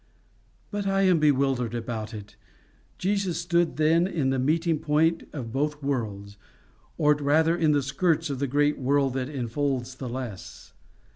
But I am bewildered about it. Jesus stood then in the meeting point of both worlds, or rather in the skirts of the great world that infolds the less.